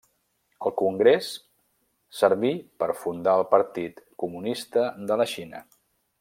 El Congrés servir per fundar el Partit Comunista de la Xina.